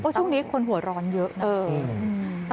ช่วงนี้คนหัวร้อนเยอะนะ